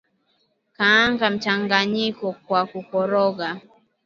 Kaanga mchanganyiko kwa kukoroga